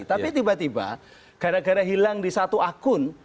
tapi tiba tiba gara gara hilang di satu akun